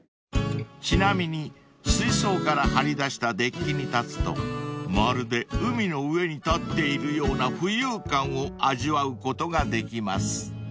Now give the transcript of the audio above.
［ちなみに水槽から張り出したデッキに立つとまるで海の上に立っているような浮遊感を味わうことができます］